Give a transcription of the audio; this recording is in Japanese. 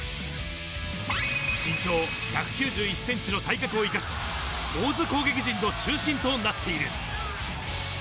身長１９１ｃｍの体格を生かし、大津攻撃陣の中心となっている。